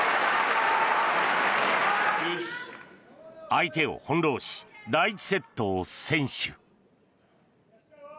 相手を翻ろうし第１セットを先取。